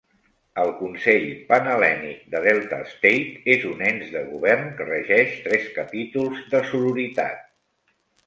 El Consell Panhel·lènic de Delta State és un ens de govern que regeix tres capítols de sororitat.